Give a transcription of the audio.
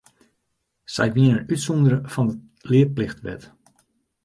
Sy wienen útsûndere fan de learplichtwet.